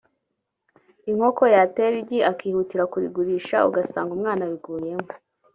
inkoko yatera igi akihutira kurigurisha ugasanga umwana abiguyemo